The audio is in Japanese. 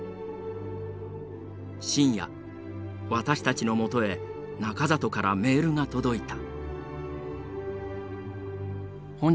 深夜私たちのもとへ中里からメールが届いた。